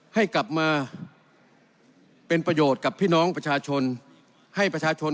ให้กลับมาเป็นประโยชน์กับพี่น้องประชาชนให้ประชาชน